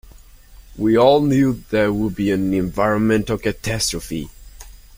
We all knew that would be an environmental catastrophe.